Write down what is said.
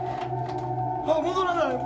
戻らない。